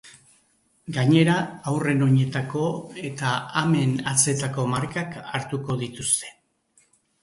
Gainera, haurren oinetako eta amen hatzetako markak hartuko dituzte.